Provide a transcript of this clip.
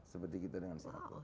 seperti itu dengan seratus